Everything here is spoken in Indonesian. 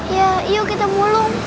ya yuk kita mulung